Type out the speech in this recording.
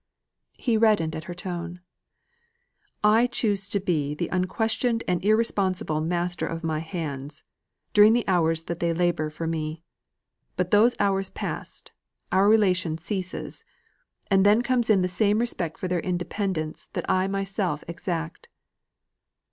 He reddened at her tone. "I choose to be the unquestioned and irresponsible master of my hands, during the hours they labour for me. But those hours past, our relation ceases; and then comes in the same respect for their independence that I myself exact."